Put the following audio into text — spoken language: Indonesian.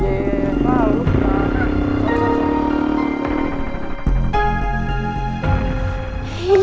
yee salah lu kan